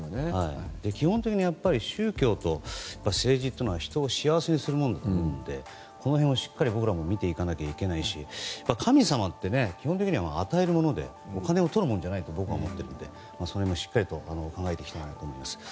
基本的に宗教と政治というのは人を幸せにするものだと思うのでこの辺をしっかり僕らも見ていかないといけないし神様って基本的には与えるものでお金をとるものじゃないと僕は思っているので、しっかり考えていきたいと思います。